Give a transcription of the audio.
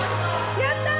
やったー！